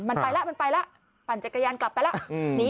มันไปแล้วมันไปแล้วปั่นจักรยานกลับไปแล้ว